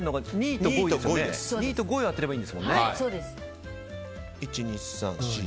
２位と５位を当てればいいんですもんね。